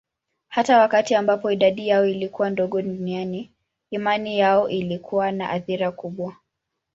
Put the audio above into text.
Hata wakati ambapo idadi yao ilikuwa ndogo duniani, imani yao ilikuwa na athira kubwa.